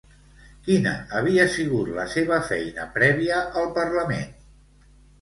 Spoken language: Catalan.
Quina havia sigut la seva feina prèvia al Parlament?